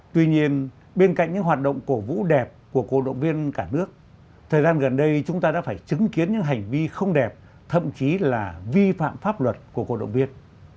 tuy nhiên bên cạnh những hoạt động cổ vũ đẹp của cổ động viên cả nước thời gian gần đây chúng ta đã phải chứng kiến những hành vi không đẹp thậm chí là vi phạm pháp luật của cổ động viên